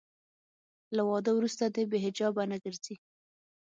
له واده وروسته دې بې حجابه نه ګرځي.